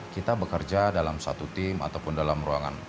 kita bekerja dalam satu tim ataupun dalam ruangan